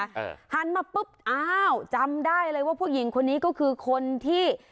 หันมาปุ๊บอ้าวจำได้เลยว่าผู้หญิงคนนี้ก็คือคนที่